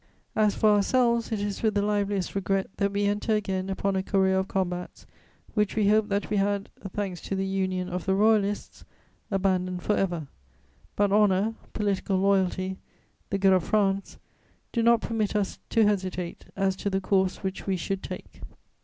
"As for ourselves, it is with the liveliest regret that we enter again upon a career of combats which we hoped that we had, thanks to the union of the Royalists, abandoned for ever; but honour, political loyalty, the good of France do not permit us to hesitate as to the course which we should take."